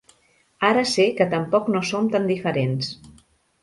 Ara sé que tampoc no som tan diferents.